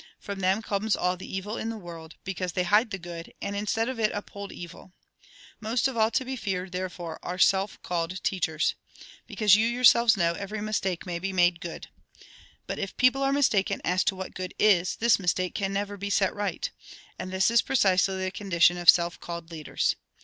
From them comes all the evil in tlie world ; because they hide the good, and instead of it uphold evil. Most of all to be feared, therefore, are self called teachers. Because you yourselves Mt. xxiii. 3. Mk. iii. 5 TEMPTATIONS I2S Mk. iii. 29. Mt. xxiii. 37. 39. xxiv. 1. 12. know, every mistake may be made good. But if people are mistaken as to what good is, this mistake can never be set right. And this is precisely the condition of self called leaders."